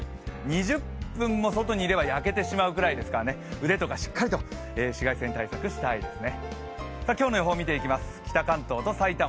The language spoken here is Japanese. ２０分も外にいれば焼けてしまうぐらいですからね、腕とかしっかり紫外線対策した方がいいですね。